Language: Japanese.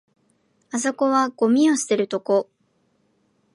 あそこはゴミ捨てるとこ